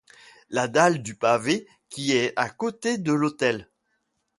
La dalle du pavé qui est à côté de l’autel.